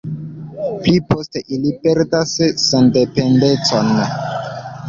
Pli poste ili perdas sendependecon.